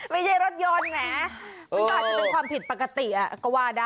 รถยนต์แหมมันก็อาจจะเป็นความผิดปกติก็ว่าได้